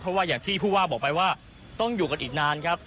เพราะว่าอย่างที่ผู้ว่าบอกไปว่าต้องอยู่กันอีกนานครับ